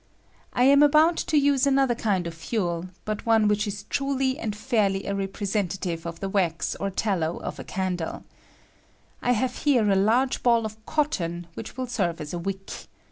I am about to use another kind of fuel, but one which is truly and fairly a representative of the wax or tallow of a candle, I have here a large ball of cotton, which will serve as a wick.